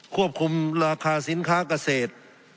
ควบคุมราคาสินค้าเกษตร